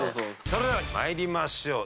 それでは参りましょう。